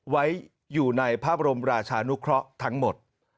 ไว้อยู่ในพระบรมราชานุเคราะห์ทั้งหมด